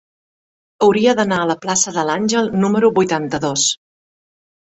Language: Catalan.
Hauria d'anar a la plaça de l'Àngel número vuitanta-dos.